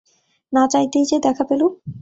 না চাইতেই যে দেখা পেলুম।